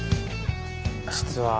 実は。